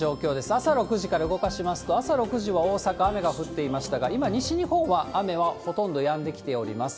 朝６時から動かしますと、朝６時は大阪、雨が降っていましたが、今、西日本は雨はほとんどやんできております。